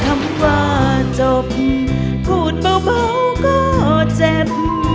คำว่าจบพูดเบาก็เจ็บ